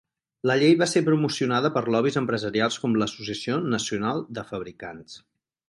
La llei va ser promocionada per lobbies empresarials com l"Associació Nacional de Fabricants.